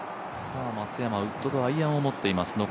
松山、ウッドとアイアンを持っています。